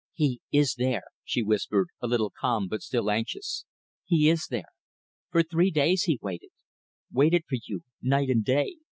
"He is there," she whispered, a little calmed but still anxious "he is there. For three days he waited. Waited for you night and day.